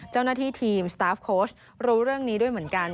เจ้าหน้าที่ทีมสตาฟโค้ชรู้เรื่องนี้ด้วยเหมือนกัน